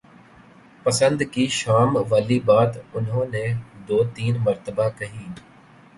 پسند کی شام والی بات انہوں نے دو تین مرتبہ کہی۔